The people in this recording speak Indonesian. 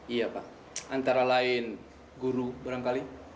iya pak antara lain guru berapa kali